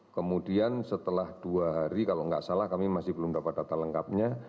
kemudian setelah dua hari kalau nggak salah kami masih belum dapat data lengkapnya